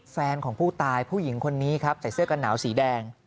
แฟนของผู้ตายผู้หญิงคนนี้ครับใส่เสื้อกันหนาวสีแดง